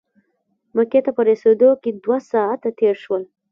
مکې ته په رسېدو کې دوه ساعته تېر شول.